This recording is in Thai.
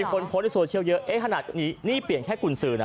คนโพสต์ในโซเชียลเยอะเอ๊ะขนาดนี้นี่เปลี่ยนแค่กุญสือนะ